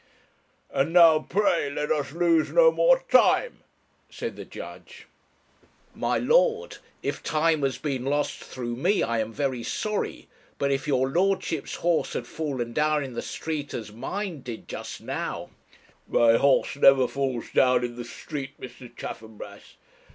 'And now, pray, let us lose no more time,' said the judge. 'My lord, if time has been lost through me, I am very sorry; but if your lordship's horse had fallen down in the street as mine did just now ' 'My horse never falls down in the street, Mr. Chaffanbrass.'